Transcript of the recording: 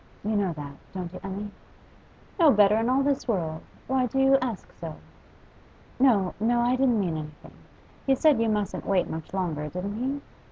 'You know that, don't you, Emmy?' 'No better in all this world! Why do you ask so?' 'No no I didn't mean anything. He said you mustn't wait much longer, didn't he?